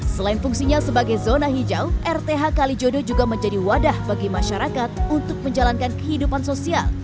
selain fungsinya sebagai zona hijau rth kalijodo juga menjadi wadah bagi masyarakat untuk menjalankan kehidupan sosial